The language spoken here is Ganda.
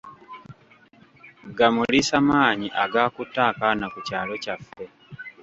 Gamuliisa maanyi agaakutte akaana ku kyalo kyaffe.